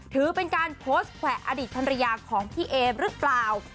ถือเป็นการโพสต์แขวะอดีตภรรยาของพี่เอหรือเปล่า